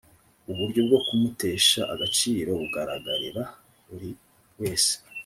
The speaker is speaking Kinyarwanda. uburyo bwo kumutesha agaciro bugaragarira buri wese